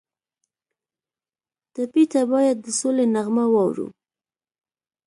ټپي ته باید د سولې نغمه واورو.